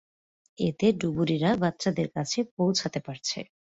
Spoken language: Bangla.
এতে ডুবুরিরা বাচ্চাদের কাছে পৌঁছাতে পারছে।